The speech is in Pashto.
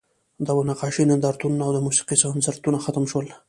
د نقاشۍ نندارتونونه او د موسیقۍ کنسرتونه ختم شول